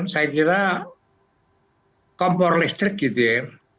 saya kira kompor listrik gitu ya